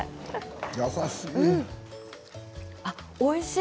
優しい。